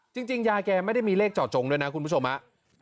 จริงยายแกไม่ได้มีเลขเจาะจงด้วยนะคุณผู้ชมฮะ